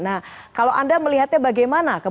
nah kalau anda melihatnya bagaimana